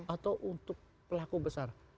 atau untuk pelaku besar